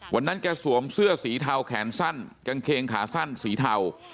วันนั้นแกสวมเสื้อสีเทาแขนสั้นกางเกงขาสั้นสีเทา